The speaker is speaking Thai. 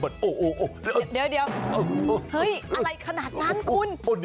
เฮ้ยอะไรขนาดนั้นคุณ